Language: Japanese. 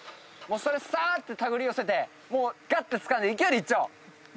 それさーって手繰り寄せてもうがってつかんで勢いでいっちゃおう。